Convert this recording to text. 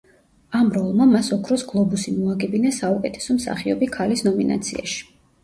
ამ როლმა მას ოქროს გლობუსი მოაგებინა საუკეთესო მსახიობი ქალის ნომინაციაში.